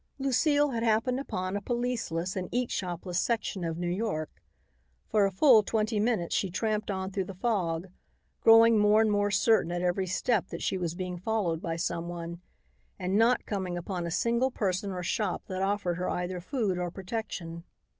Lucile had happened upon a policeless and eat shopless section of New York. For a full twenty minutes she tramped on through the fog, growing more and more certain at every step that she was being followed by someone, and not coming upon a single person or shop that offered her either food or protection.